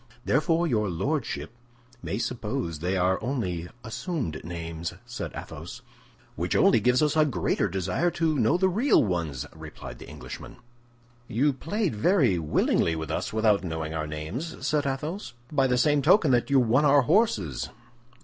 "Therefore your lordship may suppose they are only assumed names," said Athos. "Which only gives us a greater desire to know the real ones," replied the Englishman. "You played very willingly with us without knowing our names," said Athos, "by the same token that you won our horses."